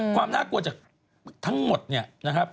ความน่ากลัวจากทั้งหมดเนี่ยนะครับ